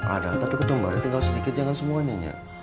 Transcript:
ada tapi ketumbarnya tinggal sedikit jangan semuanya ya